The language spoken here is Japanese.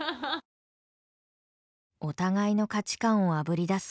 お互いの価値観をあぶり出す